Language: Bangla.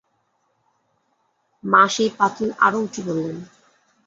মা সেই পাঁচিল আরও উঁচু করলেন।